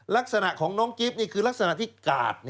ลักษณะของน้องกิฟต์นี่คือลักษณะที่กาด